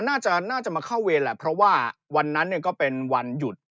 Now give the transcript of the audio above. น่าจะน่าจะมาเข้าเวรแหละเพราะว่าวันนั้นเนี่ยก็เป็นวันหยุด